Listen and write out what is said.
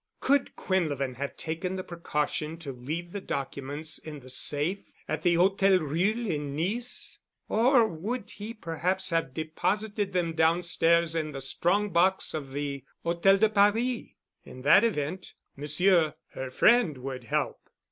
Could Quinlevin have taken the precaution to leave the documents in the safe at the Hôtel Ruhl in Nice, or would he perhaps have deposited them downstairs in the strong box of the Hôtel de Paris? In that event Monsieur her friend would help....